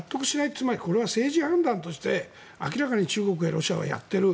つまりこれは政治判断として明らかに中国やロシアはやっている。